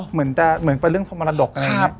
เหมือนเป็นเรื่องธรรมดาดดก